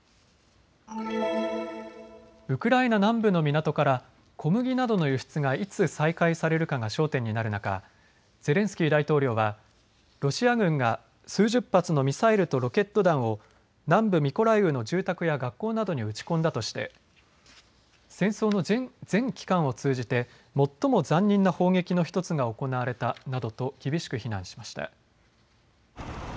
ウクライナ南部の港から小麦などの輸出がいつ再開されるかが焦点になる中、ゼレンスキー大統領はロシア軍が数十発のミサイルとロケット弾を南部ミコライウの住宅や学校などに撃ち込んだとして戦争の全期間を通じて最も残忍な砲撃の１つが行われたなどと厳しく非難しました。